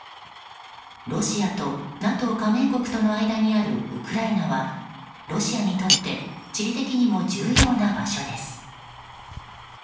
ロシアとＮＡＴＯ加盟国の間にあるウクライナはロシアにとって地理的にも重要な場所です。